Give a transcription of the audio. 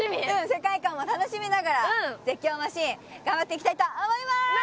世界観を楽しみながら絶叫マシン頑張っていきたいと思います